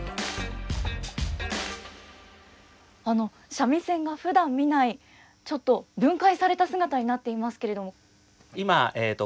三味線がふだん見ないちょっと分解された姿になっていますけれども。